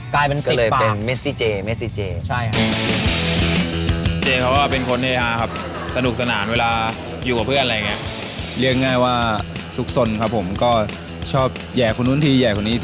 กลายที่เป็น